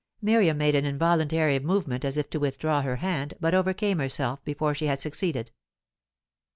Miriam made an involuntary movement as if to withdraw her hand, but overcame herself before she had succeeded.